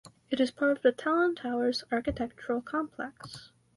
It is part of the Talan Towers architectural complex.